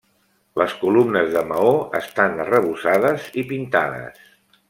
Les columnes de maó estan arrebossades i pintades.